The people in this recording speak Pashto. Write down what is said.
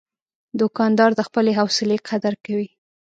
دوکاندار د خپلې حوصلې قدر کوي.